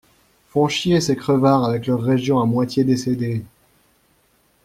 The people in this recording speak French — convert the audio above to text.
Font chier ces crevards avec leurs régions à moitié décédées.